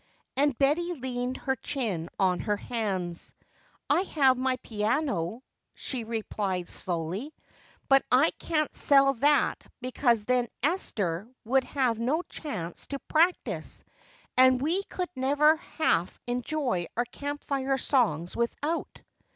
And Betty leaned her chin on her hands. "I have my piano," she replied slowly, "but I can't sell that because then Esther would have no chance to practice, and we could never half enjoy our Camp Fire songs without."